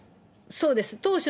そうです。